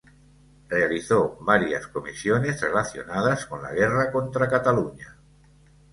Realizó varias comisiones relacionadas con la Guerra contra Cataluña.